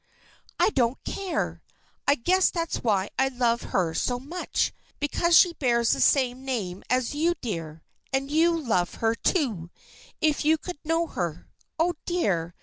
"I don't care! I guess that's why I love her so much because she bears the same name as you, my dear. And you'd love her, too, if you could know her. Oh, dear!